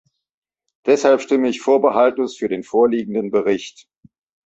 Deshalb stimme ich vorbehaltlos für den vorliegenden Bericht.